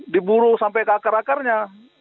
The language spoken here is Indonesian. diburu sampai ke akar akarnya